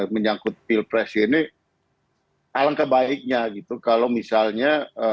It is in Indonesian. menyangkut pilpres ini alangkah baiknya gitu kalau misalnya